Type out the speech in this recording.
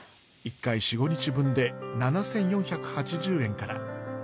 １回４５日分で７，４８０円から。